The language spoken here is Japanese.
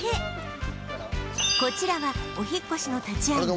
こちらはお引っ越しの立ち会い